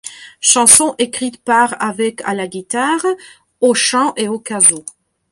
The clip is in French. Chanson écrite par avec à la guitare, au chant et au kazoo.